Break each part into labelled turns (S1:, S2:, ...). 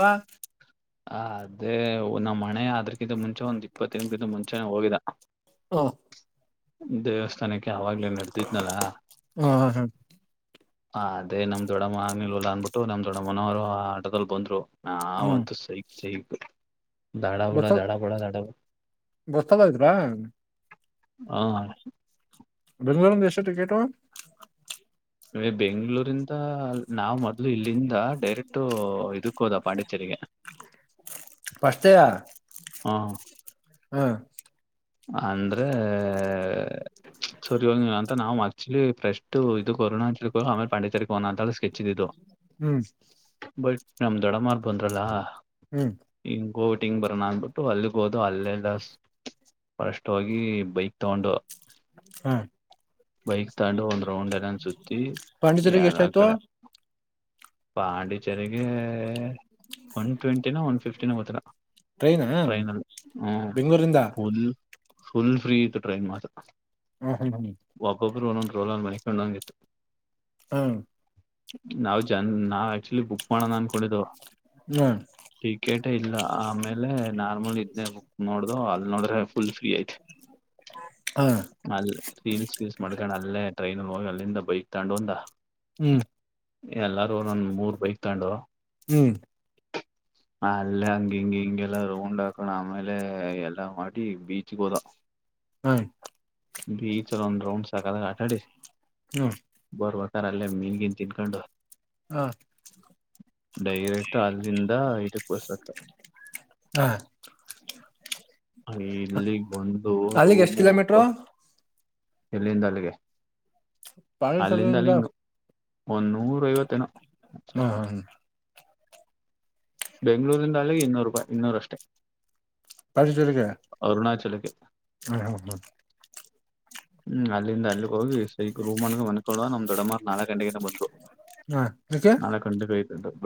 S1: ಹ
S2: ಹ ಅದೇ ನಮ್ಮ್ ಮನೆೆ ಅದ್ರಕಿಂತ ಮುಂಚೆ ಒಂದ್ ಇಪ್ಪತ್ತಿನಕ್ಕಿಂತ ಮುಂಚೆ ಹೋಗಿದ
S1: ಹಾ
S2: ದ ಸ್ನಕ್ಕೆ ಆಾಗ್ಲೇ ನಡೆದಿದ್ನಲ್ಲಾ
S1: ಹ ಹ
S2: ಹ ಅದೇ ನಮ್ ದೊಡಮ್ಮ ಆಗ್ ನಿಲ್ವಲ್ಲ ಅಂದ್ಬಿಟ್ಟು ನಮ್ ದೊಡ್ಡಮ್ಮನವ್ರು ಆಟದಲ್ಲಿ ಬಂದ್ರು ಹಾ ಒಂತ ಸರಿ ಸಬೇಕ
S1: ಗಸಲ್ ಗೊಸಲ್ ಇದ್ರಾ
S2: ಹಾ
S1: ಬೆಂಗಳೂರು ದೇಶ ಕೇಟೋ
S2: ಇ ಬೆಂಗ್ಗಳೂರಿಂದ ನಾವ್ ಮೊದ್ಲು ಇಲ್ಲಿಂದ ಡೈರೆಕ್ಟ ಇದಕ್ೋದ ಪಾಂಡಿಚೇರಿಗೆ
S1: ಪಷ್ಟತೆಯ
S2: ಹಾ ಅಂದ್ರೆ ಸರಿ ಹೋಗಿಲ್ಲ ಅಂತ ನಾವು ಆಕ್ಚುಲಿ ಪ್ರಶ್ ಇ ಇದು ಕೊರೋನಾ ಅ ೇರ್ ಪಂಡಚರ್ೋ ಅಂತ ಸ್ಕೆಚ್ ಇಿದ್ದದು
S1: ಹ್ಮ್
S2: ನಮ ದೊಡಮಾರ್ ಬಂದ್ರಲ್ಲಾ
S1: ಹ್ಮ್
S2: ಗೋಟಿಂಗ್ ಬರೋಣ ಅಂದ್ಬಿಟ್ಟು ಅಲ್ಲಿಗೆ ಹೋದು ಅಲ್ಲೆಲ್ಲ ಬಳಷ್ಟವಾಗಿ ಬೈಕ್ ತಗೊಂಡು
S1: ಹ್ಮ
S2: ಬೈಕ್ ತಾಂಡು ಹೋೊಂಡ ರ್ರೌಂಡ್ ಎಲ್ಲ ಸುುತ್ತಿ
S1: ಪಾಂಡಿಚೇರಿಗೆ
S2: ಯಲ್ಲ ಆ
S1: ಎಷ್ಟಾಯ್ತು
S2: ಕಡೆ ಪಾಂಡಚರ್ರಿಗೆ ಒನ್ ಟ್ವೆಂಟಿನ ಒನ್ ಫಿಫ್ಟಿ ದಿನವತ್ತರ
S1: ಟ್ರೈನಾ ಬೆಂಗಗಳೂರಿಂದ
S2: ಫುಲ್ ಫುಲ್ ಫ್ರೀ ಇಐತ್ತು ಟ್ರೈನ್ ಮಾತ್ರ
S1: ಹ ಹ್ಮ ಹ್ಮ
S2: ಒಬ್ಬೊಬ್ರು ಒನೊಂದು ರೋಲಲ್ಲಿ ಮರಿಿಕೊಂಡಂಗಿತ್ತು
S1: ಹಾ
S2: ನಾವು ಜ ನಾವು ಆಕ್ಚ ಗುಪ್ ಮಾಡಣ ಅನ್ಕೊಂಡಿದ್ದು
S1: ಹ್ಮ್
S2: ಟಿಕೆಟೇ ಇಲ್ಲ ಆಮೇಲೆ ನಾರ್ಮಲ್ ಇದೆ ಬುಕ್ ನೋಡ್ದ ಅಲ್ಲಿ ನೋಡ್ರೆ ಫುಲ್ ಫ್ರೀ ಐತಿ
S1: ಹ್ಮ್ ಹಾ
S2: ಅಲ್ಲಿ ರೀಲ್ಸ್ ಗೀಲ್ಸ್ ಮಾಡ್ಕಂಡ್ ಅಲ್ಲೇ ಅಟ್ ಟ್ರೈನ್ ಗ್ ಹೋಗಿ ಅಲ್ಲಿಂದ ಬೈಕ್ ತಗೊಂಡು ಒಂದ
S1: ಹ್ಮ್
S2: ಎಲ್ಲಾರೂ ಒಂದೊಂದ್ ಮೂರ್ ಬೈಕ್ ತಗೊಂಡು
S1: ಹ್ಮ್
S2: ಅಲ್ ಹಂಗ್ ಹಿಂಗ್ ಹಿಂಗೆಲ್ಲ ರೌಂಡ್ ಹಾಕೊಂಡ್ ಆಮೇಲೆ ಎಲ್ಲಾ ಮಾಡಿ ಬೀಚ್ಗ್ ಹೋದೊ.
S1: ಹ್ಮ್
S2: ಬೀ ಚಲಂದು ರೌಂಡ್ ಸಕತಾಗ್ ಆಟಾಡಿ
S1: ಹ್ಮ್
S2: ನಾನ್ ಅಲ್ಲೇ ಮೀನ್ ಗೀನ್ ತಿನ್ಕೊಂಡು
S1: ಹಾಂ
S2: ಡೈರೆಕ್ಟ್ ಅಲ್ಲಿಂದ ಇದುಕ್ ಬಸ್ ಹದ್ದೋ.
S1: ಹ
S2: ಅಂಗ್ ಇಲ್ಲಿಗ್ ಬಂದು
S1: ಅಲ್ಲಿಗೆ ಎಷ್ಟ್
S2: ರೂಮು
S1: ಕಿಲೋಮೀಟ್ರು
S2: ಹುಡ್ಕೋಷ್ಟ್ ಇಲ್ಲಿಂದ ಅಲ್ಲಿಗೆ
S1: ಬಳ ಸಲ
S2: ಅಲ್ಲಿಂದ
S1: ಇಂದ
S2: ಅಲ್ಲಿಗ್ ಒಂದ್ ನೂರೈವತ್ ಏನೋ
S1: ಹ್ಮ ಹ್ಮ ಹ್ಮ್
S2: ಬೆಂಗಳೂರಿಂದ ಅಲ್ಲಿಗ್ ಇನ್ನೂರ್ ರೂಪಾಯಿ ಇನ್ನೂರಷ್ಟೇ.
S1: ಪಾತ್ರೆ ತೊಳ್ಯಕೆ ಹ ಹ ಹ್ಮ
S2: ಹ್ಮ್ ಅಲ್ಲಿಂದ ಅಲ್ಲಿಗ್ ಹೋಗಿ ಸ್ಟ್ರೈಟ್ ರೂಮ್ ಮಾಡ್ಕೊಂಡ್ ಮನಿಕೊಳವಾಗ್ ನಮ್ ದೊಡಮಾರ್ ನಾಲ್ಕ್ ಗಂಟೆಗೆೇನೊ ಬಂದ್ರು.
S1: ಹಾಂ ಯಾಕೆ?
S2: ನಾಲ್ಕ್ [unintelligible]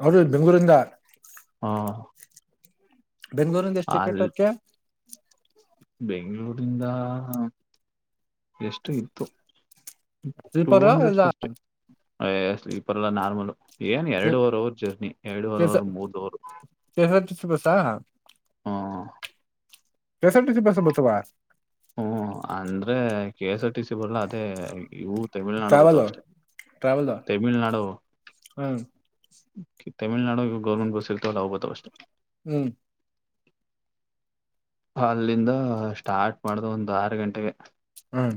S1: ಅವರೆ ಬೆಂಗಳೂರಿಂದ
S2: ಹಾಂ
S1: ಬೆಂಗ್ಳೂರಿಂದ ಎಷ್ಟ್ ಟಿಕೆಟ್ ಅದ್ಕೆ?
S2: ಬೆಂಗ್ಳೂರಿಂದ ಎಷ್ಟು ಇತ್ತು ಟೂ
S1: ಸ್ಲೀಪರ್
S2: ಹಂಡ್ರೆಡ್
S1: ಇಲ್ಲ
S2: ಫಿಫ್ಟಿ. ಅ ಏ ಸ್ವೀಪರ್ ಅಲ್ಲ ನಾರ್ಮಲು ಏನ್
S1: ಕೆ
S2: ಎರಡುವರ್ ಅವರ್ ಜರ್ನಿ ಎರಡುವರ್ ಅವರ್ ಮೂರ್ ಅವರ್
S1: [unintelligible] ಬಸಾ
S2: ಹೂಂ ಹೂಂ
S1: K S R T C ಬಸ ಬತ್ತಾವ?
S2: ಹ್ಮ ಅಂದ್ರೆ K S R T C ಬರಲ್ಲ ಅದೇ ಇವ್ರ ತಮಿಳ್ನಾಡು
S1: ಟ್ರಾವೆಲ್
S2: ಬತ್ತಾವ್ ಅಷ್ಟೆ
S1: ಟ್ರಾವೆಲ್
S2: ತಮಿಳ್ನಾಡು
S1: ಹ್ಮ್
S2: ತಮಿಳ್ನಾಡು ಗೌರ್ಮೆಂಟ್ ಬಸ್ ಇರ್ತವಲ್ಲ ಅವು ಬತ್ತಾವ್ ಅಷ್ಟೆ.
S1: ಹ್ಮ್
S2: ಅಲ್ಲಿಂದ ಸ್ಟಾರ್ಟ್ ಮಾಡ್ದ ಒಂದು ಆರು ಗಂಟೆಗೆ
S1: ಹ್ಮ್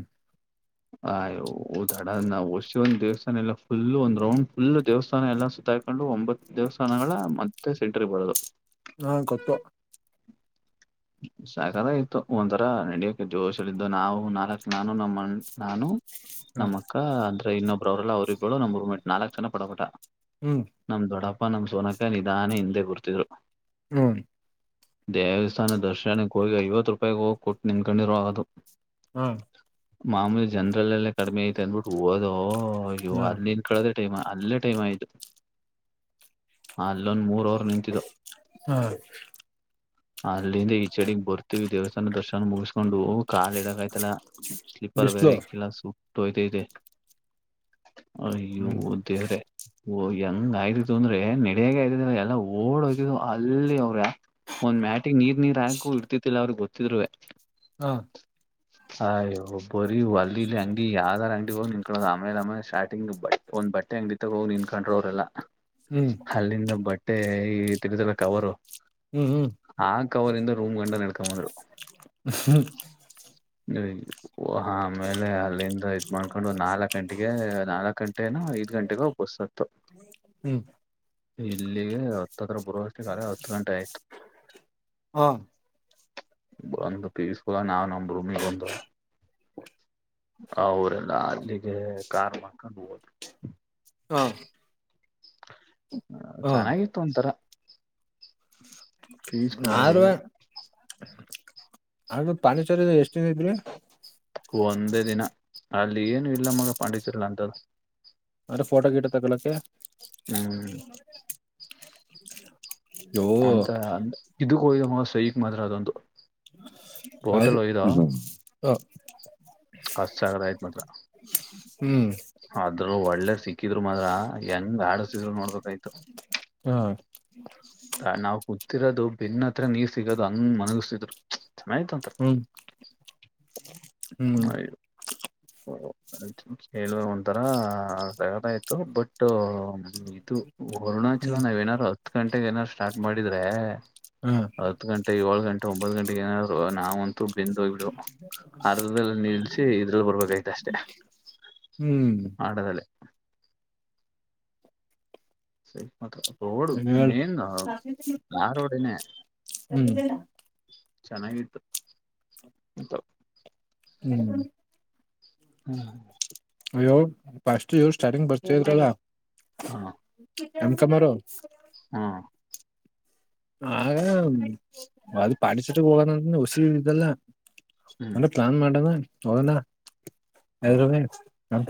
S2: [unintelligible] ನಾವು ವಸಿ ಒಂದ್ ದೇವಸ್ಥಾನ ಎಲ್ಲ ಫುಲ್ ಒಂದ್ ರೌಂಡ್ ಫುಲ್ ದೇವಸ್ಥಾನ ಎಲ್ಲ ಸುತ್ತಾಕೊಂಡು ಒಂಬತ್ತು ದೇವಸ್ಥಾನಗಳ ಮತ್ತೆ ಸೆಂಟ್ರ ಬರದು
S1: ಹಾ ಗೊತ್ತು
S2: ಸಕ್ಕತಾಗಿತ್ತು ಒಂಥರ ನಡಿಯಕ್ಕೆ ಜೋಶಗಳಿದ್ದು ನಾವು ನಾಲ್ಕ ನಾನು ನಮ್ಮ ನಾನು
S1: ಹ್ಮ್
S2: ನಮ್ಮಕ್ಕ ಅಂದ್ರೆ ಇನ್ನೊಬ್ ಅವ್ರಲ್ಲ ಅವ್ರಿಗೆಬ್ಳ ನಮ ನಾಲ್ಕ್ ಜನ ಪಡಬಟ
S1: ಹ್ಮ್
S2: ನಮ ದೊಡ ಅಪ್ಪಾ ನಮ್ ಸೋನಕಲ ನಿಧಾನೆ ಹಿಂದೆ ಬರ್ತಿದ್ರು
S1: ಹ್ಮ್
S2: [unintelligible] ಸನಾ ದರ್ಶನಕ್ಕೆ ಹೋಗಿ ಐವತ್ತು ರೂಪಾಯಿಗೆ ಹೋಗಿ ಕೊಟ್ಟು ನಿನ್ಕೊಂಡಿರೋ ಅದು.
S1: ಹಾ.
S2: ಮಾಮೂಲಿ ಜನರಲ್ ಎಲೆ. ಕಡಿಮೆ ಐತೆ ಅಂದ್ಬಿಟ್ಟು ಹಓದೋ ಇ
S1: ಹ್ಮ್
S2: ಅದನ್ ಕಳದ್ರ. ಟೈಮ ನಲ್ಲ ಟೈಮ ಆಯು. ಅಲ್ಲೊನ್ ಮೂರ ಓವರ್ ನಿಂತಿದು.
S1: ಹಾ
S2: ಅಲ್ಲಿಂದ ಈ ಚಡಿಗೆಗ್ ಬರ್ತೀವಿ ದೇವಸ್ಥಾನ ದರ್ಶನ ಮುಗಿಸಕೊಂಡು. ಕಾಲ್ ಇದಕೆಯ್ತಿಲ್ಲ ಸ್ಲಿಪರ್
S1: ಬಿಸ್ಲು
S2: ಬರೇ ಇ ಕೆಲಸು ತೋಯತೇತೆ. ಅಯ್ಯೋ
S1: ಹ್ಮ್
S2: ದೇವರೇ. ಓ ಹೆಂಗ ಅಯ್ತಿತು ಅಂದ್ರೆ ನಡಗೆ ಆಯ್ದಿದಲ್ಲ ಎಲ್ಲ ಓಡ್ ಹೋಗಿದ್ ಅಲ್ಲಿ ಅವ್ರ ಒಂದ್ ಮ್ಯಾಚ್ ನೀರ್ ನೀರರಾಕು ಇಡ್ತಿತಿಲ್ಲ ಅವ್ರಿಗೆ ಗೊತ್ತಿದ್ರುವೆ.
S1: ಹ್ಮ
S2: ಆಯೋ ಬರಿ ಅಲ್ಲಿ ಇಲ್ಲಿ ಅಂಗಡಿ ಯಾವಾರ ಅಂಗಡಿ ನಿಂಟ್ಕಳ ಆಮೇಲೆ ಆಮೇ ಸ್ಟಾರ್ಟಿಂಗ್ ಬ ಒಂದ್ ಬಟ್ಟೆ ಅಂಗಿ ತೋಗ್ ನಿನ್ ಕೊಂಡ್ರೋ ಅವರೆಲ್ಲ.
S1: ಹ್ಮ್
S2: ಅಲ್ಲಿಂದ ಬಟ್ಟೆ ಮತ್ತೆ ಈ ತಿಗುದಲ್ಲ ಕವರು.
S1: ಹ್ಮ್ ಹ್ಮ್
S2: ಆ ಕವರಿ ಇಂದ ರೂಮ್ ಗಂಡ ನಡ್ಕೊಂಡ್ ಬಂದ್ರು. ಓಹ ಹಾ ಆಮೇಲೆ ಅಲ್ಲಿಂದ ಇದ್ ಮಾಡ್ಕೊಂಡು ಒಂದ್ ನಾಲ್ಕ್ ಗಂಟೆಗೆ ನಾಲ್ಕ ಗಂಟೆ ಐದು ಗಂಟೆಗೆ ಬಸ್ ಹತ್ತೋ
S1: ಹ್ಮ್.
S2: ಇಲ್ಲಿಗೆ ಹತ್ರತ್ರ ಬರುವಷ್ಟ ಅಲೆ ಹತ್ತು ಗಂಟೆ ಆಯ್ತು.
S1: ಹಾ
S2: ಬಂದು ಪೀಸ್ಫುಲಾಗ್ ನಾನು ರೂಮಿಗ್ ಬಂದ್ವು. ಅವರೆಲ್ಲ ಅಲ್ಲಿಗೆ ಕಾರ್ ಮಾಡ್ಕೊಂಡು ಹೋದ್ರು.
S1: ಹಾಂ.
S2: [inaudible] ಹ ಚೆನ್ನಾಗಿತ್ತು ಒಂತರ. ಪೀಸ್ಫುಲ್ಲಾಗಿ.
S1: ಆದ್ರೂ ಹನುಮು ಪಾಂಡಿಚೇರಿಲಿ ಎಷ್ಟು. ಚ ಇದ್ರಿ.
S2: ಒಂದೇ ದಿನ ಅಲ್ಲಿ ಏನು ಇಲ್ಲ ಮಗ ಪಾಂಡಿಚೇರಿಲಿ ಅಂತದ್ದು.
S1: ಅಂದ್ರೆ ಫೋಟೋ ಗೀಟ ತಗೊಳಕ್ಕೆ.
S2: ಹ್ಮ್
S1: ಯೋ
S2: ಅಂತ ಅಂದ. ಇದಕ್ ಹೋಗಿದ್ದೊ ಮಗ ಸೈಕ್ ಮಾತ್ರ ಅದೊಂದು.
S1: ಹೌದು ಅದು. ಹಾ
S2: ಅದ್ ಸಕ್ಕತ್ತಾಗಿ ಇತ್ತು ಮಾತ್ರ.
S1: ಹ್ಮ್
S2: ಅದ್ರಲ್ಲಿ ಒಳ್ಳೆ ಸಿಕ್ಕಿದ್ರು ಮಾತ್ರ. ಹೆಂಗ್ ಆಡಸಿದ್ರು ನೋಡ್ಬೇಕಾಯ್ತು.
S1: ಹಾ
S2: ತ ನಾವು ಕೂ ತ್ತರೋದು ಬೆನ್ ಹತ್ರ ನೀರ್ ಸಿಗೋದು ಅಂಗ ಮನಗಸ್ಸಿದ್ರು. ಚೆನ್ನಾಗಿತ್ತು ಒಂತರ.
S1: ಹ್ಮ್ ಹ್ಮ್
S2: ಹೊ ರೈಲ್ವೆ ಒಂಥರ ಸಕತ್ತಾಗಿತ್ತು ಬಟ್ಟು ಇದು. ಅರುಣಾಚಲ
S1: ಹ್ಮ್
S2: ನಾವ್ ಏನಾದ್ರೂ ಅ ಹತ್ತು ಗಂಟೆಗೆ ಏನಾದರು ಸ್ಟಾರ್ಟ್ ಮಾಡಿದ್ರೆ
S1: ಹಾ
S2: ಹತ್ತು ಗಂಟೆ ಏಳ ಗಂಟೆ ಒಂಬತ್ತು ಗಂಟೆಗೆ ಏನಾದರು ನಾವಂತೂ ಬೆಂದು ಹೋಗ್ಬಿಡು ಅ ಅರ್ಧದಲ್ಲೇ ನಿಲ್ಸಿ ಇದ್ರಲ್ಲಿ ಬರ್ಬೇಕೈತ ಅಷ್ಟೇ
S1: ಹ್ಮ್
S2: ಆಟದಲ್ಲಿ. ಸೈಕ್ ಮತ್ರ ರೋಡ್
S1: ಹೇಳ್
S2: ಮೇನ್ ಆ ರೋಡೆನೆ
S1: ಹ್ಮ್
S2: ಚೆನ್ನಾಗಿತ್ತು ಒಂತರ.
S1: ಹ್ಮ್
S2: ಹ್ಮ್
S1: ಅಯ್ಯೋ ಫಸ್ಟ್ ಇವ್ರು ಸ್ಟಾರ್ಟಿಂಗ್ ಬರ್ತಾ ಇದ್ರಲ್ಲ. ಎಮ್ ಕಮಾರು.
S2: ಹು
S1: ಆಗ ಅದು ಪಾಂಡಿಚೇರಿಗೆ ಹೋಗಣಂತ ವಸಿ ಇದ್ದಲ್ಲ.
S2: ಹ್ಮ್
S1: ಅಂದ್ರೆ ಪ್ಲಾನ್ ಮಾಡಣ. ಹೋಗನ.
S2: ಹ್ಮ್
S1: ಯಾರೋ ನೀ ಅಂತ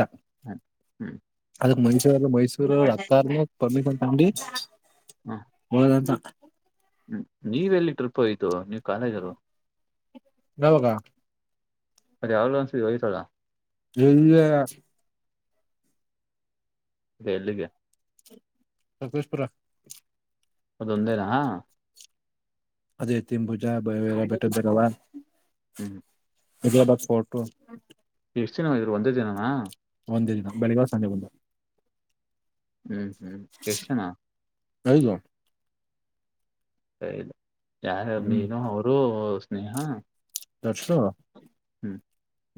S2: ಹ್ಮ್
S1: ಅದಕ್ಕೆ ಮೈಸೂರಲ್ಲ ಮೈಸೂರ ಅತ್ತಾರ [unintelligible]
S2: ಹ್ಮ್
S1: ಹೌದ [unintelligible]
S2: ನೀವೆಲ್ಲಿ ಟ್ರಿಪ್ ಹಯ್ತು ನೀ ಖಾಲಿಗಿದೆ
S1: ಯಾವಾಗ
S2: [unintelligible]
S1: ಎಲ್ಲಿ
S2: ಎಲ್ಲಿಗೆ
S1: ಸಕಲೇಶಪುರ
S2: ಅದೊಂದೇನಾ ಹ
S1: ಅದೇ ತಿಂಬುಜ ಬಯ ಬೆಟ್ಟ್ದವಾ
S2: ಹ್ಮ್
S1: ದಿಯಾಬಾದ ಫೋಟೋ
S2: ಎಷ್ಟು ದಿನ ಹೋಗಿದ್ರಿ ಒಂದೇ ದಿನಾನ
S1: ಒಂದೇ ದಿನ ಬೆಳಿಗ್ಗೆ ಸಂಜೆ ಬಂದು
S2: ಹ್ಮ್ ಹ್ಮ್ ಎಷ್ಟ ಜನ
S1: ಐದು
S2: ಐದು ಯಾರ ಯಾರು ನೀನು ಅವರು ಸ್ನೇಹಾ
S1: ತರ್ಸು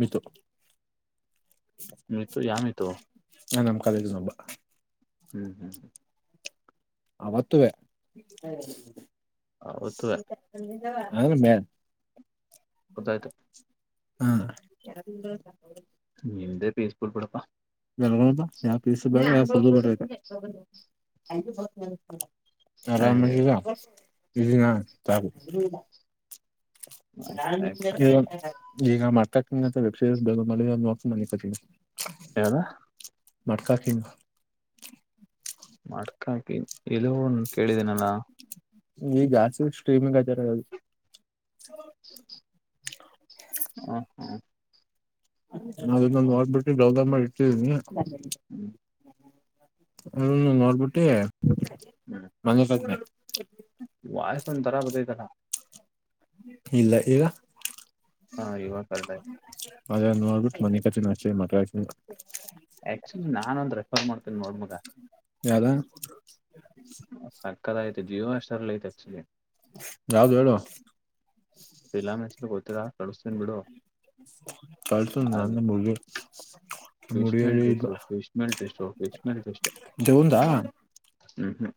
S1: ಮಿತು
S2: ಮಿತು ಯಾವ್ ಮಿತು
S1: ಹ್ಮ್ ನಮ್ ಕಾಲೇಜ್ ಇಂದಾ
S2: ಹ್ಮ್ ಹ್ಮ್ ಹ್ಮ
S1: ಆವತ್ತುವೇ [unintelligible]
S2: ಅವತ್ತುವೆ
S1: ಊಟಕ್ಕ ಬನ್ನಿ ಎನ್ ಮೇ
S2: ಗೊತ್ತಾಯ್ತು
S1: [inaudible] ಹ್ಮ
S2: ಪೇಸ್ಪುರ್ ಪಡಪ್ಪಾ
S1: [inaudible] [inaudible] ಆರಾಮ ಅದೆಲ್ಲಾ [inaudible] [unintelligible] ಹ ಈಗ [unintelligible] ವೆಬ್ಸೆರಿಸ್ ಡೌನ್ಲೋಡ್ ಮಾಡಿದೀನಿ ನೋಡ್ತೀನಿ ಮನಿಕತಿನಿ.
S2: ಯಾವ್ದ.
S1: ಮಡ್ಕಾ ಕಿಂಗ್.
S2: ಮಡ್ಕಾ ಕಿಂಗ್ ಎಲ್ಲೋ ಕೇಳಿದೀನಲ್ಲ.
S1: ಈಗ ಜಾಸ್ತಿ ಸ್ಟ್ರೀಮಿಂಗ್ ಆಯ್ತ ಇರೋದೆ ಅದು.
S2: ಹ ಹ
S1: ಚೆನಗಿದ್ಯ ನೋಡ್ಬಿಟ್ಟಿ ಡೌನ್ಲೋಡ್ ಮಾಡಿ ಇಟ್ಟಿದೀನಿ. [unintelligible]
S2: ಹ್ಮ್
S1: ಹ್ಮ್ ನೋಡ್ಬಿಟ್ಟಿ.
S2: ಹ್ಮ್
S1: ಮನಿಕತಿನಿ.
S2: ವಾಯ್ಸ್ ವಂಥರ ಬತ್ತೆತೈಲ.
S1: ಇಲ್ಲ ಈಗ.
S2: ಹ ಇವಾಗ ಕರೆಕ್ಟ್ ಆಯ್ತು
S1: ಅದೇ ನೋಡ್ಬಿಟ್ ಮನಿಕತಿನಿ ಅಷ್ಟೆ ಮಟ್ಕಾ ಕಿಂಗ್.
S2: ಆಕ್ಚುಲಿ ನಾನೊಂದ್ ರೆಫರ್ ಮಾಡ್ತೀನಿ
S1: ಯಾವ್ದ.
S2: [unintelligible] ಸಕತ್ತಾಗಿದೆ ಐತೆ ಜಿಯೋ ಹಾಟ್ಸ್ಟಾರ್ ಐತೆ ಅಕ್ಚಲಿ.
S1: ಯಾವ್ದ ಹೇಳು.
S2: ಫಿಲಂ ಹೆಸ್ರು. ಗೊತ್ತಿಲ್ಲ. ಕಳಿಸ್ತೀನಿ ಬಿಡು
S1: ಕಲ್ಸು ನಾನು
S2: ಅದು
S1: ನಮ್ ಹುಡ್ಗಿ ನಮ್
S2: ಫಿಶ್
S1: ಹುಡ್ಗಿ
S2: ಮೇಲ್
S1: ಹೇಳಿದ್ಲು
S2: dish fish mail dish fish mail dish
S1: ದೆವ್ವುಂದ.
S2: ಹ್ಮ್ ಹ್ಮ್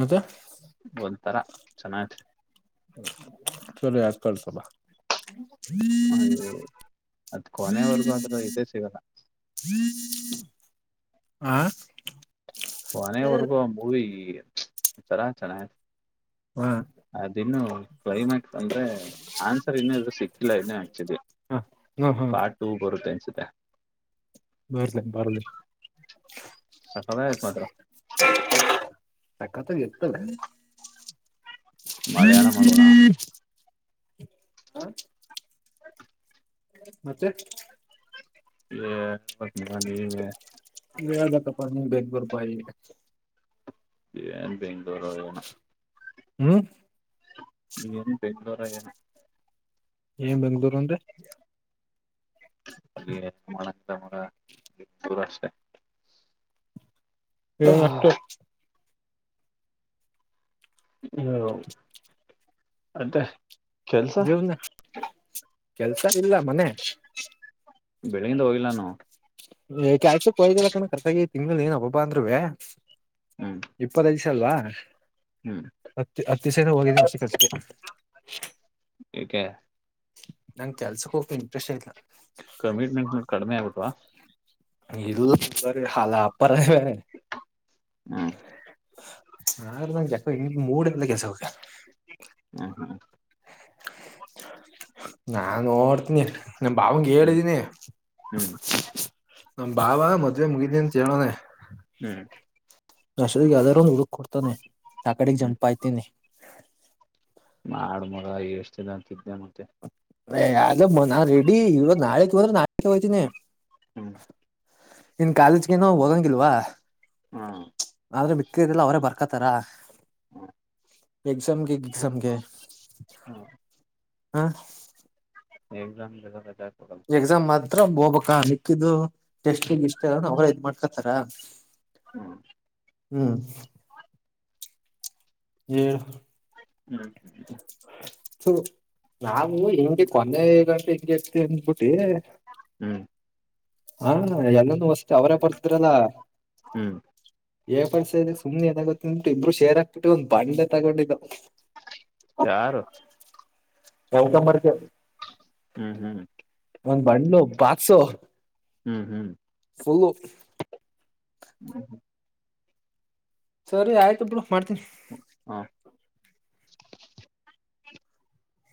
S1: ಮತ್ತೆ.
S2: ಒಂತರ ಚೆನಾಗಿದೆ.
S1: ಕಳ್ಸಪ.
S2: ಹೆ ಅದ್ ಕೊನೆಯವರೆಗು ಅದ್ರ್ ಇದೆ ಸಿಗಲ್ಲ.
S1: ಆ
S2: ಕೊನೆವರೆಗೂ ಆ ಮೂವಿ. ವಂಥರ ಚೆನ್ನಾಗಿದೆ.
S1: ಹಾ
S2: ಅದಿನ್ನು ಕ್ಲೈಮ್ಯಾಕ್ಸ್ ಅಂದ್ರೆ ಆನ್ಸರ್ ಇನ್ನಾದ್ರು ಸಿಕ್ಕಿಲ್ಲ ಇನ್ನ ಆಕ್ಚುಲಿ
S1: ಹ ಹಾ ಹಾ
S2: ಪಾರ್ಟ್ ಟೂ ಬರುತ್ತೆ ಸುತೆ.
S1: ಬರ್ಲಿ ಬರ್ಲಿ.
S2: ಸಕ್ಕತ್ತಾಗಿದೆ ಮಾತ್ರ.
S1: ಸಕ್ಕತ್ತಾಗಿ ಇರ್ತವೆ. [inaudible]
S2: ಮಲಯಾಳಂ ಅಲ್ವಾ
S1: ಹಾ ಮತ್ತೆ
S2: ಹ
S1: ಮದತ್ತಪ್ಪ ನೀ ಬೆದಪೂರಪಾಯ
S2: ಹನ್ ಬೆಂ್ೂರಏನ
S1: ಹ್ಮ್
S2: ನೀಏನು ಬೆಂ್ಳೂರ
S1: ಏನ್ ಬೆಂಗ್ಳೂರು ಅಂದೆ
S2: ಇ ಮ ತ ಮ ತೂರಷ್ಟೆ
S1: ಏನು ಅಷ್ಟ
S2: ಹ್ಮ ಅದೇ
S1: ಜೀವನ ಕೆಲ್ಸ ಇಲ್ಲ ಮನೆ
S2: ಬೆಳಿಗಿಂದ ಹೋಗಿಲ್ಲ ನಾ
S1: ಕ್ಯಾಸಕ್ ಹಯಿಲ್ಲಾಕ ಕರ್ಸಾಗಿ ತಿಂ್ಗಳು ನೀಏನ ಹಬ್ಬಬ್ಬ ಅಂದ್ೂೆ
S2: ಹ್ಮ್
S1: ಇಪ್ಪದ ಅಲ್ವಾ
S2: ಹ್ಮ್
S1: ಅ ದಿಸೆ ಹೋಗಿದ್ದಾ
S2: ಏಕೆ
S1: ನಂ ಕೆಲ್ಸಕ್ ಹೋಗಕ ಇಂಟ್ರೆಸ್ಟ್ ಯಲ್ಲ
S2: ಕಮಿಟ್ಮೆಂಟ್ ಕಡಿಮೆ ಆಗ್ಬಿಟ್ವಾ
S1: ದು ಚಚ ಹಲಪ ಪವ
S2: ಹ್ಮ್
S1: ಆ ನಂ ಕೆಸ ಇಿಂದ ಮೂಡಲ್ಲ ಕೆಸ ಹಬೇಕ
S2: ಹ್ಮ್ ಹ್ಮ್
S1: ನಾಾನು ನೋಡ್ ಹತ್ನಿ ನಮ ಭಾವಂಗ ಹೇಳಿದೀನಿ
S2: ಹ್ಮ್ ಹ್ಮ್
S1: ನಮ್ಮ ಭಾವ ಮಜೆ ಮುಗಿದಿದ್ದಂತ ಚನೋ
S2: ಹ್ಮ್
S1: ರಷ್ಟ ಯದಾರರ ಒಂದು ಹುಡುಕ್ ಕೊತಾನೆ ಆ ಕಡೆಗೆ ಜಂಪ್ ಆಯತೀನಿ
S2: ನ ಆಡ್ಮಗ ಎಷ್ಟ ಅಂತಿದ್ದೆ ಮತ್ತೆ
S1: ಅ ನಾನ್ ರೆಡಿ ಇವಾಗತ್ತು ನಾಳೆಕ್ ಬಂದ್ರೆ ನಾಳ ಹೋಗ್ತೀನಿ
S2: ಹ್ಮ್
S1: ಇನ್ ಕಾಲೇಜ್ ಏನೋ ಹೋಗಂಗಲ್ವಾ
S2: ಹಾ
S1: ಆದ್ರೆ ಮಿಕ್ಕಲ್ಲ ಅವರೇ ಬರ್ತಾರೆ ಕತರ
S2: ಹ್ಮ
S1: ಎಕ್ಸಾಮಗೆ ಸಮಗೆ
S2: ಹ್ಮ್
S1: ಹಾ
S2: ನಮ ರ [unintelligible]
S1: ಎಕ್ಸಾಮ್ ಮಾತ್ರ ಹೋಗ್ಬ ನಿಕ್ಕಿದು ಟೆಸ್ಟ್ ಇಷ್ಟ ಅ ಅವ್ರ ಇದ್ ಮಾಡ್ಕೊತಾರ
S2: ಹ್ಮ
S1: ಹ್ಮ್ ಹ
S2: ಹ್ಮ್
S1: ನಾ ಹ ಇಮಿ ಕೊನೆಗ ಅಬಟ್ಟು ಬ
S2: ಹ್ಮ್
S1: ಹಾ ಎಲ್ಲೊಂದು ವಸ್ತ ಅವರೇ ಬರ್ತರಲ್ಲ
S2: ಹ್ಮ್
S1: ಏ ಪಡ್ಸ್ರ ಸುಮನೆ ಏನಾಗುತ್ತೆ ಅನ್ಬಿಟ್ಟು ಇಬ್ಬರು ಶೇ ಹಾಕ್ಬಿಟ್ಟು ಬಂಡೆ ತಗೊಂಡಿದ
S2: ಯಾರು
S1: ಯವುಕ ಮರ್ಕ
S2: ಹ್ಮ್ ಹ್ಮ್
S1: ಒಂದ್ ಬಂಡಲುು ಬತ್ಸು
S2: ಹ್ಮ್ ಹ್ಮ್
S1: ಫುಲ್ಲು
S2: ಹ್ಮ್
S1: ಸರಿ ಆಯ್ತು ಬಿಡು ಮಾಡ್ತೀನಿ
S2: ಹಾ